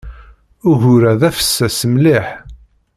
Ugur-a d afessas mliḥ.